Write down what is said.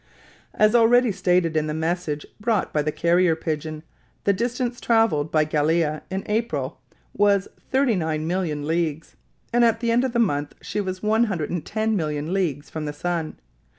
As already stated in the message brought by the carrier pigeon, the distance traveled by Gallia in April was 39,000,000 leagues, and at the end of the month she was 110,000,000 leagues from the sun.